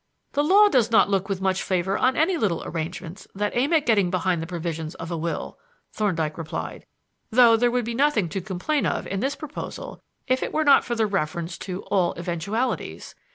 "The law does not look with much favor on any little arrangements that aim at getting behind the provisions of a will," Thorndyke replied; "though there would be nothing to complain of in this proposal if it were not for the reference to 'all eventualities.'